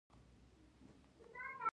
تخصصي سازمانونه د ځانګړو موخو لپاره راغلي.